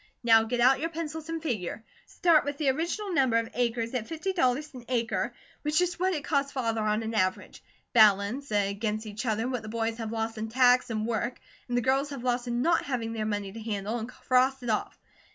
Now get out your pencils and figure. Start with the original number of acres at fifty dollars an acre which is what it cost Father on an average. Balance against each other what the boys have lost in tax and work, and the girls have lost in not having their money to handle, and cross it off.